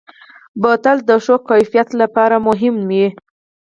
بوتل د ښو کیفیت لپاره مهم وي.